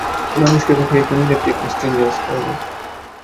মজনুকে পাঠিয়ে একজন ইলেকটিক মিস্ত্রি নিয়ে আসতে হবে।